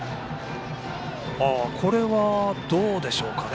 これは、どうでしょうかね。